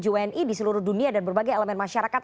tujuh wni di seluruh dunia dan berbagai elemen masyarakat